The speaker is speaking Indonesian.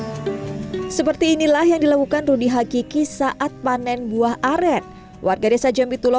hai seperti inilah yang dilakukan rudy hakiki saat panen buah aren warga desa jambi tulo